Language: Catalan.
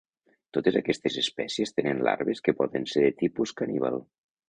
Totes aquestes espècies tenen larves que poden ser de tipus caníbal.